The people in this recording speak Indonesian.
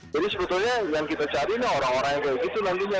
jadi sebetulnya yang kita cari nih orang orang yang baik itu nantinya